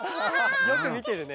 よくみてるね。